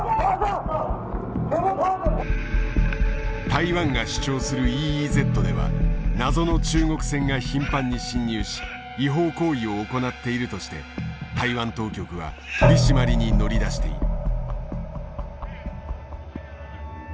台湾が主張するＥＥＺでは謎の中国船が頻繁に侵入し違法行為を行っているとして台湾当局は取締りに乗り出している。